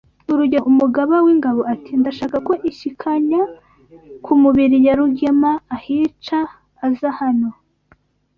Urugero Umugaba w’ingabo ati Ndashaka ko ‘Inshyikanya ku mubiri ya rugema ahica’ aza hano